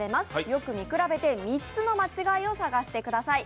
よく見比べて３つの間違いを探してください。